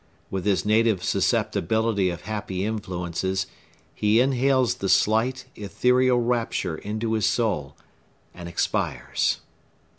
With his native susceptibility of happy influences, he inhales the slight, ethereal rapture into his soul, and expires!